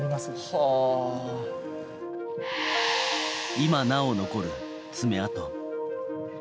今なお残る爪痕。